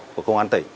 của công an tỉnh